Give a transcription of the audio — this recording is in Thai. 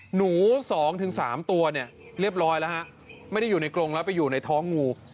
หนู๒๓ตัวเนี่ยเรียบร้อยแล้วฮะไม่ได้อยู่ในกรงแล้วไปอยู่ในท้องงู